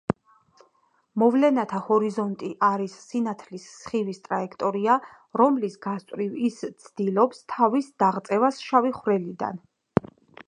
მოვლენათა ჰორიზონტი არის სინათლის სხივის ტრაექტორია, რომლის გასწვრივ ის ცდილობს თავის დაღწევას შავი ხვრელიდან.